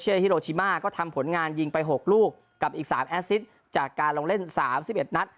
กับฮิโรชิมาก็ทำผลงานยิงไปหกลูกกับอีกสามจากการลองเล่นสามสิบเอ็ดนัด